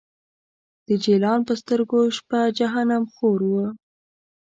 د جلان په سترګو شپه جهنم خور و